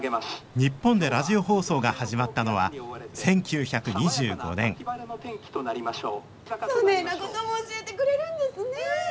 日本でラジオ放送が始まったのは１９２５年そねえなことも教えてくれるんですね。